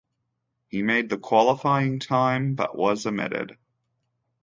He made the qualifying time, but was omitted.